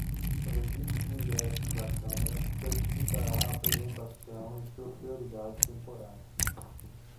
O Registro de ingressos da câmara certificará a apresentação e sua prioridade temporária.